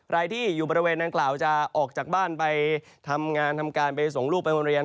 ใครที่อยู่บริเวณนางกล่าวจะออกจากบ้านไปทำงานทำการไปส่งลูกไปโรงเรียน